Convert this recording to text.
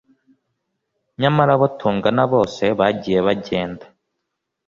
nyamara abo tungana bose bagiye bagenda